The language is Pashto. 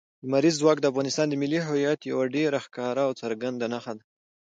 لمریز ځواک د افغانستان د ملي هویت یوه ډېره ښکاره او څرګنده نښه ده.